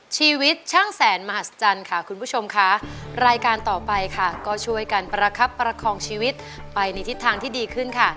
ชีวิตช่างแสนมหัศจรรย์ค่ะคุณผู้ชมค่ะรายการต่อไปค่ะก็ช่วยกันประคับประคองชีวิตไปในทิศทางที่ดีขึ้นค่ะ